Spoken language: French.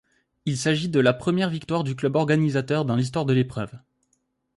Il s'agit de la première victoire du club organisateur dans l'histoire de l'épreuve.